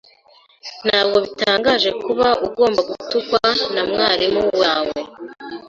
Ntabwo bitangaje kuba ugomba gutukwa na mwarimu wawe.